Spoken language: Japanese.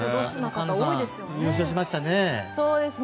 優勝しましたね。